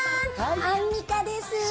アンミカです。